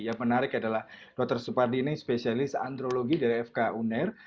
yang menarik adalah dr supardi ini spesialis andrologi dari fk uner